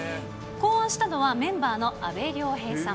考案したのはメンバーの阿部亮平さん。